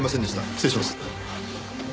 失礼します。